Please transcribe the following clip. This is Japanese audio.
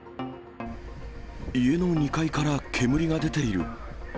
家の２階から煙が出ている。